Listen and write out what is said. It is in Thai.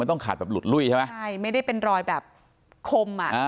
ต้องขาดแบบหลุดลุ้ยใช่ไหมใช่ไม่ได้เป็นรอยแบบคมอ่ะอ่า